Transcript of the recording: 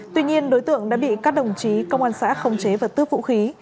tuy nhiên đối tượng đã bị các đồng chí công an xã không chế vật tước vũ khí